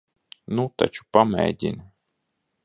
Nu taču, pamēģini.